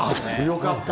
よかった。